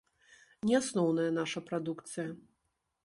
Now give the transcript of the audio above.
Не асноўная наша прадукцыя.